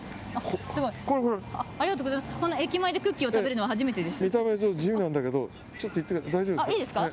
駅前でクッキーを食べるのは初めてです。